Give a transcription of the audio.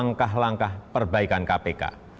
langkah langkah perbaikan kpk